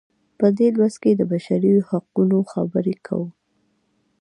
په دې لوست کې د بشري حقونو خبرې کوو.